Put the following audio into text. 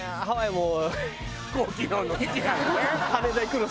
もう。